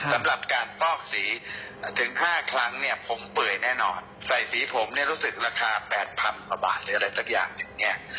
สำหรับการฟอกสีถึง๕ครั้งเนี่ยผมเปื่อยแน่นอนใส่สีผมเนี่ยรู้สึกราคา๘๐๐๐กว่าบาทหรืออะไรสักอย่างหนึ่งเนี่ย